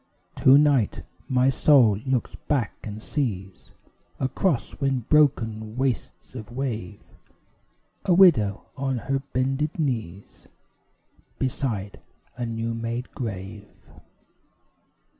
To night my soul looks back and sees, Across wind broken wastes of wave, A widow on her bended knees Beside a new made grave.